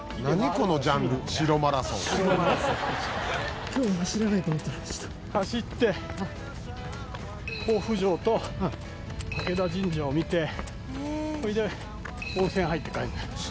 このジャンル城マラソン」「城マラソン」走って甲府城と武田神社を見てそれで温泉入って帰るんだ。